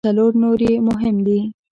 څلور نور یې مهم دي.